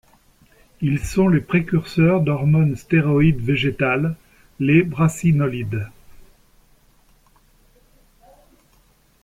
Ils sont les précurseurs d'hormones stéroïdes végétales, les brassinolides.